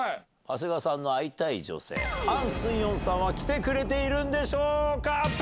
長谷川さんの会いたい女性ハン・スンヨンさんは来てくれているんでしょうか？